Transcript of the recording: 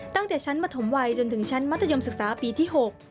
ตั้งแต่ชั้นมถมวัยจนถึงชั้นมัธยมศึกษาปีที่๖